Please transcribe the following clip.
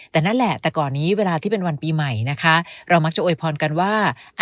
แต่นั่นแหละแต่ก่อนนี้เวลาที่เป็นวันปีใหม่นะคะเรามักจะโวยพรกันว่า